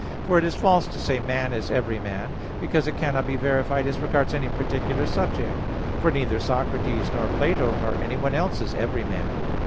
For it is false to say, "man is every man," because it cannot be verified as regards any particular subject. For neither Socrates, nor Plato, nor anyone else is every man.